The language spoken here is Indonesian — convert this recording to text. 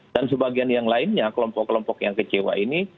dan sebagian yang lainnya kelompok kelompok yang kecewa ini